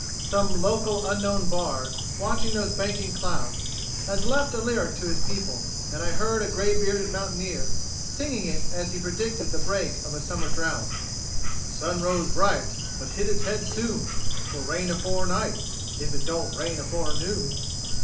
Some local unknown bard, watching those banking clouds, has left a lyric to his people, and I heard a gray bearded mountaineer singing it as he predicted the break of a summer drought: "The sun rose bright But hid its head soon, 'Twill rain a fore night Ef hit don't rain a fore noon."